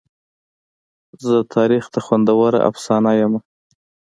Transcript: زه تاریخ ته خوندوره افسانه یمه.